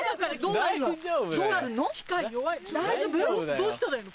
どうしたらいいの？